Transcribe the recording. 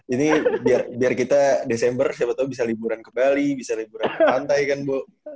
ini biar kita desember siapa tau bisa liburan ke bali bisa liburan pantai kan bu